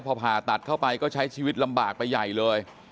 พอผ่าตัดเข้าไปก็ใช้ชีวิตลำบากไปใหญ่เลย